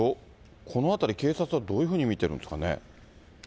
このあたり、警察はどういうふうに見てるんですかね。